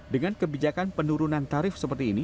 dengan kebijakan penurunan tarif seperti ini